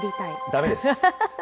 だめです。